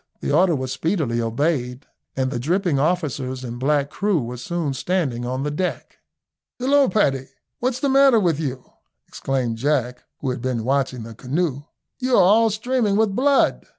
The order was speedily obeyed, and the dripping officers and black crew were soon standing on the deck. "Hillo, Paddy, why what's the matter with you?" exclaimed Jack, who had been watching the canoe, "you are all streaming with blood."